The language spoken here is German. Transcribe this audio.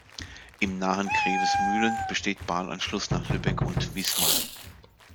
Im nahen Grevesmühlen besteht Bahnanschluss nach Lübeck und Wismar.